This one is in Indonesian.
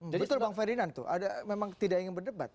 betul bang ferdinand tuh memang tidak ingin berdebat